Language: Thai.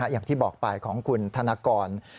อย่างที่บอกไปของคุณธนกร